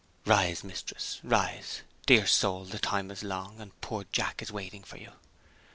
"Rise Mistress, rise! Dear soul, the time is long; and poor Jack is waiting for you!"